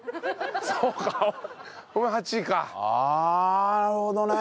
ああなるほどね。